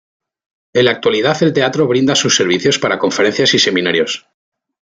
En la actualidad el teatro brinda sus servicios para conferencias y seminarios.